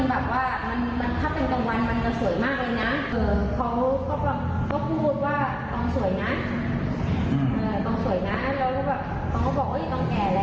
เขาบอกว่าเจอกันนี้แหละ